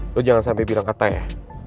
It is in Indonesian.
lo jangan sampai bilang kata ya